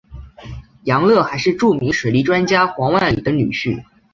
杨乐还是著名水利专家黄万里的女婿。